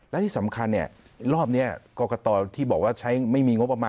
และที่สำคัญเนี่ยรอบนี้กรกตที่บอกว่าใช้ไม่มีงบประมาณ